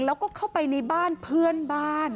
แล้วก็เข้าไปในบ้านเพื่อนบ้าน